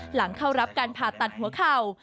หลังเข้ารับการผ่าตัดหัวเข่า